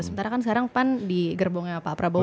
sementara kan sekarang pan di gerbongnya pak prabowo